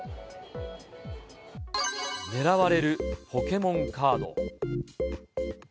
狙われるポケモンカード。